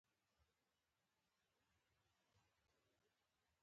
انصاف د ټولنې عدالت جوړوي.